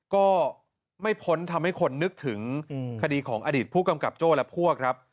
ก็ไม่พ้นทำให้คนนึกถึงคดีของอดีตผู้กำกับโจ้และพวกครับ